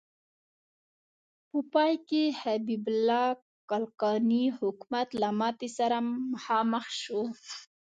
په پای کې حبیب الله کلکاني حکومت له ماتې سره مخامخ شو.